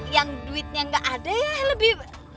yang duitnya gak ada ya